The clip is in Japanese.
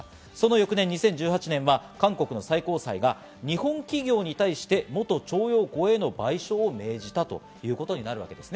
翌年２０１８年、韓国の最高裁が日本企業に対して元徴用工への賠償を命じたということです。